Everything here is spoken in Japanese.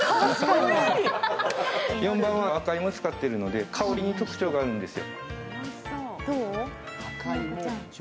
４番は赤芋を使っているので香りに特徴があるんです。